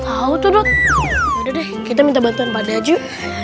tahu tuh udah deh kita minta bantuan pada jua